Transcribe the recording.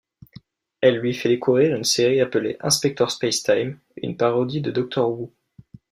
Elle lui fait découvrir une série appelée Inspector Spacetime, une parodie de Doctor Who.